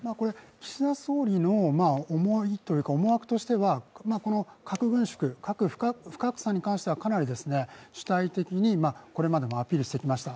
岸田総理の思惑としては、核軍縮、核不拡散に関してはかなり主体的にこれまでもアピールしてきました。